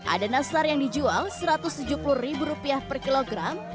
ada nastar yang dijual rp satu ratus tujuh puluh per kilogram